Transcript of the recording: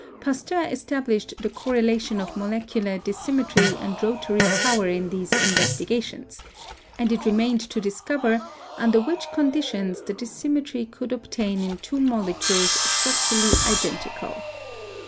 Pasteur established the correlation of molecular disym metry and rotary power in these investigations, and it remained to discover under what conditions the disym metry could obtain in two molecules structurally identical.